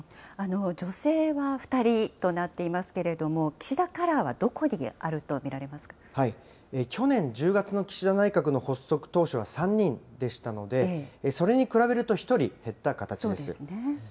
女性は２人となっていますけれども、岸田カラーはどこにある去年１０月の岸田内閣の発足当初は３人でしたので、それに比べると１人減った形です。